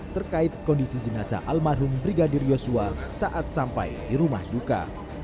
terkait kondisi jenazah almarhum brigadir yosua saat sampai di rumah duka